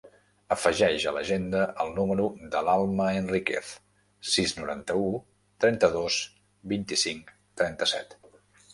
Afegeix a l'agenda el número de l'Alma Enriquez: sis, noranta-u, trenta-dos, vint-i-cinc, trenta-set.